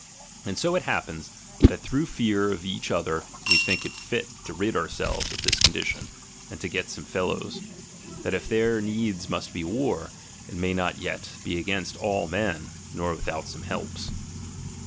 And so it happens, that through fear of each other we think it fit to rid ourselves of this condition, and to get some fellows ; that if there needs must be war, it may not yet be against all men, nor without some helps.